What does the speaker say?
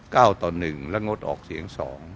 ๑๐๙ก้าว๙ต่อ๑เรางดออกเสียง๒